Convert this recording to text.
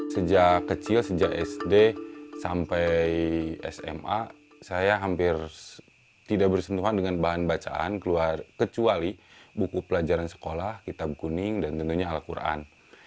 sejak kecil sejak sd sampai sma saya hampir tidak bersentuhan dengan bahan bacaan kecuali buku pelajaran sekolah kitab kuning dan tentunya al quran